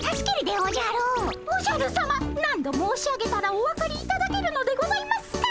おじゃるさま何度申し上げたらお分かりいただけるのでございますか。